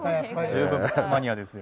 十分バスマニアですよ。